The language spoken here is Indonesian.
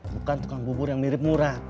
bukan tukang bubur yang mirip murah